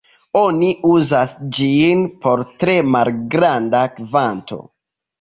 Oni uzas ĝin por tre malgranda kvanto.